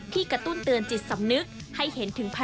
กระตุ้นเตือนจิตสำนึกให้เห็นถึง